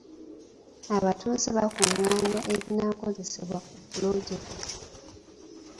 Abatuuze baakungaanya ebinaakozesebwa ku pulojekiti.